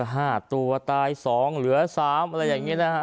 ห้าตัวตายสองเหลือสามอะไรอย่างงี้นะฮะ